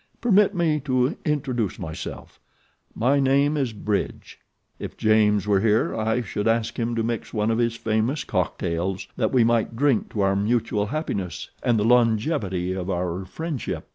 Permit me to introduce myself: my name is Bridge. If James were here I should ask him to mix one of his famous cocktails that we might drink to our mutual happiness and the longevity of our friendship."